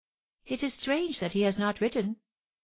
... It is strange that he has not written.